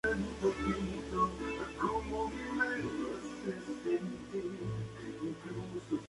Se quedaron tres.